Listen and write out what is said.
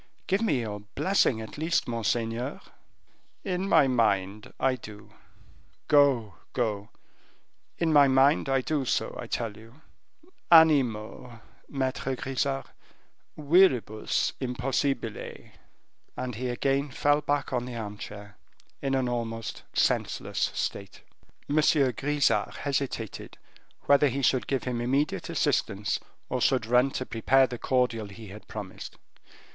"Give me your blessing, at least, monseigneur." "In my mind, I do; go, go; in my mind, I do so, I tell you animo, Maitre Grisart, viribus impossibile." And he again fell back on the armchair, in an almost senseless state. M. Grisart hesitated, whether he should give him immediate assistance, or should run to prepare the cordial he had promised.